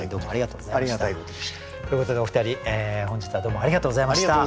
ということでお二人本日はどうもありがとうございました。